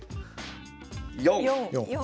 ４。